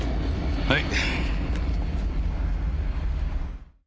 はい。